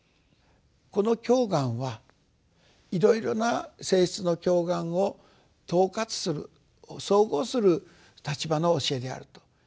この経巻はいろいろな性質の経巻を統括する総合する立場の教えであると。